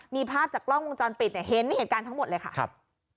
มีภาพจากกล้องวงจรปิดเนี่ยเห็นเหตุการณ์ทั้งหมดเลยค่ะครับ